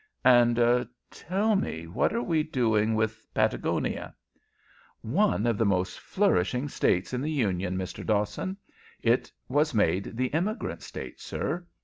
"And, tell me, what are we doing with Patagonia?" "One of the most flourishing States in the Union, Mr. Dawson. It was made the Immigrant State, sir.